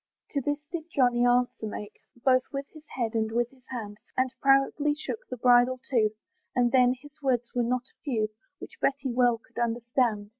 To this did Johnny answer make, Both with his head, and with his hand, And proudly shook the bridle too, And then! his words were not a few, Which Betty well could understand.